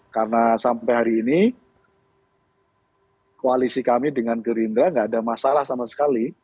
karena sampai hari ini koalisi kami dengan gerindra gak ada masalah sama sekali